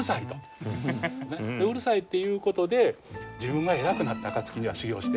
うるさいっていう事で自分が偉くなった暁には修行をして。